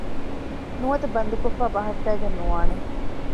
ނުވަތަ ބަންދުކޮށްފައި ބަހައްޓައިގެން ނުވާނެ